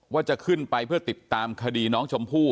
ว่าจะขึ้นไปเพื่อติดตามคดีน้องชมพู่